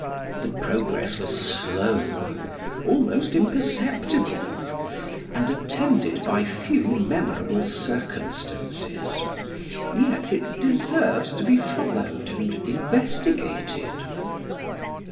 The progress was slow, almost imperceptible, and attended by few memorable circumstances; yet it deserves to be followed and investigated.